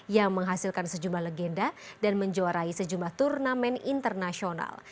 yang menghasilkan sejumlah legenda dan menjuarai sejumlah turnamen internasional